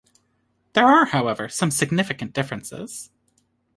There are however some significant differences.